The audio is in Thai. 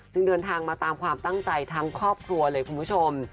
เดินทางมาตามความตั้งใจทั้งครอบครัวเลยคุณผู้ชม